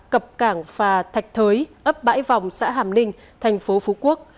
cập cảng phà thạch thới ấp bãi vòng xã hàm ninh thành phố phú quốc